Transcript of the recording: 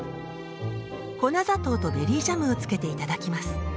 粉砂糖とベリージャムをつけて頂きます。